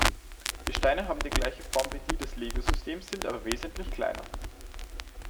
Die Steine haben die gleiche Form wie die des Lego-Systems, sind aber wesentlich kleiner.